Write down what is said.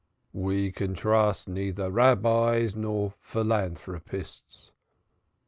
"We can trust neither our Rabbis nor our philanthropists.